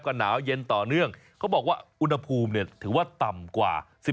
ก็หนาวเย็นต่อเนื่องเขาบอกว่าอุณหภูมิเนี่ยถือว่าต่ำกว่า